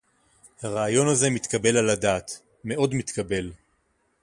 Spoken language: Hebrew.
הָרַעְיוֹן הַזֶּה מִתְקַבֵּל עַל הַדַּעַת, מְאֹד מִתְקַבֵּל.